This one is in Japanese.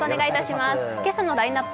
今朝のラインナップ